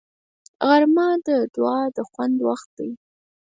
غرمه د دعا د خوند وخت دی